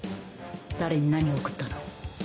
誰に何を送ったの？